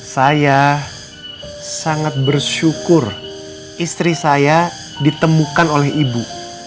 saya sangat bersyukur istri saya ditemukan oleh ibu